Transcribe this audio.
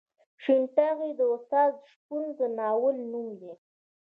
شین ټاغی د استاد شپون د ناول نوم دی.